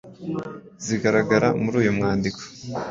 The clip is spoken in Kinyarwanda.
zigaragara muri uyu mwandiko?